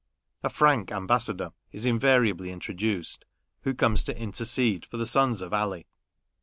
A Frank ambassador is in variably introduced, who comes to intercede for the sous of Ali.